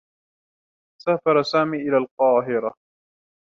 سافر سامي إلى القاهرة.